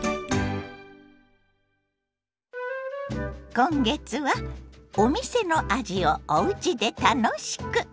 今月はお店の味をおうちで楽しく。